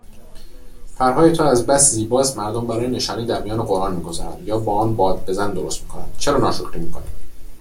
پرهای تو از بس زیباست مردم برای نشانی در میان قران میگذارند یا با ان باد بزن درست میکنند چرا ناشکری میکنی؟